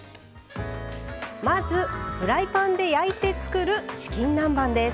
まずフライパンで焼いて作るチキン南蛮です。